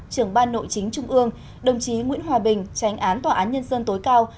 trưởng ban nội chính trung ương đồng chí nguyễn hòa bình tránh án tòa án nhân dân tối cao